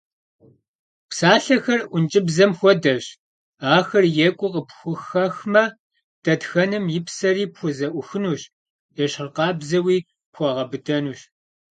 Псалъэхэр ӏункӏыбзэм хуэдэщ, ахэр екӏуу къыпхухэхмэ, дэтхэнэм и псэри пхузэӏухынущ, ещхьыркъабзэуи - пхуэгъэбыдэнущ.